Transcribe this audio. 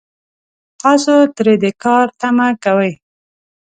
تاسو ترې د کار تمه کوئ